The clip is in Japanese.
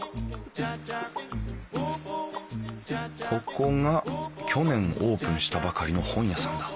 ここが去年オープンしたばかりの本屋さん